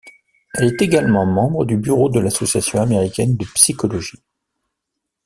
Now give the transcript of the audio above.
Elle est également membre du bureau de l'Association américaine de psychologie.